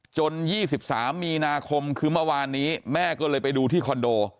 ๒๓มีนาคมคือเมื่อวานนี้แม่ก็เลยไปดูที่คอนโด